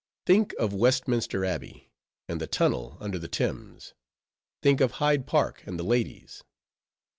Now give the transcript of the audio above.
Think of Westminster Abbey, and the Tunnel under the Thames! Think of Hyde Park, and the ladies!